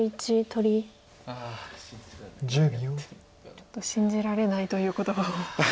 「ちょっと信じられない」という言葉を。